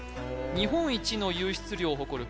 日本一の湧出量を誇る